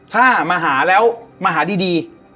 ถ้ามาหาแล้วมาหาดี